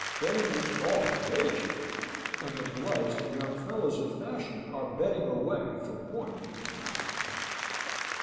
Betting is all the rage here, and the bloods and young fellows of fashion are betting away from morning till night.